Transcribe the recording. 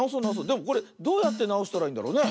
でもこれどうやってなおしたらいいんだろうね？